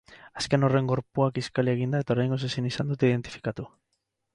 Azken horren gorpua kiskali egin da eta oraingoz ezin izan dute identifikatu.